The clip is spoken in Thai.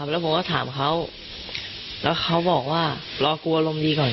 แล้วผมก็ถามเขาแล้วเขาบอกว่ารอกลัวอารมณ์ดีก่อน